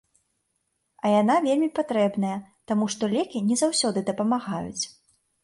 А яна вельмі патрэбная, таму што лекі не заўсёды дапамагаюць.